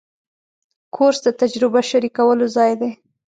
کورس د تجربه شریکولو ځای دی.